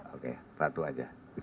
oke batu aja